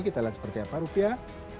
kita lihat seperti apa rupiah